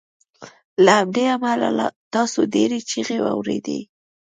له همدې امله تاسو ډیرې چیغې اوریدې